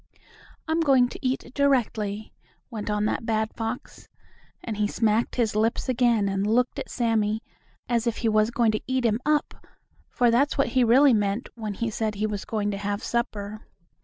"I'm going to eat directly," went on that bad fox, and he smacked his lips again and looked at Sammie, as if he was going to eat him up, for that's really what he meant when he said he was going to have supper.